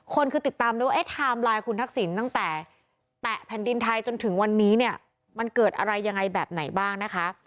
คนคือติดตามเลยว่าไทม์ไลน์คุณทักษิณตั้งแต่แตะแผ่นดินไทยจนถึงวันนี้เนี่ยมันเกิดอะไรยังไงแบบไหนบ้างนะคะ